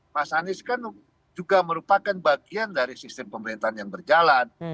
mas anies kan juga merupakan bagian dari sistem pemerintahan yang berjalan